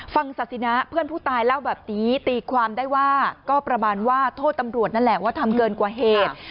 ศาสินะเพื่อนผู้ตายเล่าแบบนี้ตีความได้ว่าก็ประมาณว่าโทษตำรวจนั่นแหละว่าทำเกินกว่าเหตุ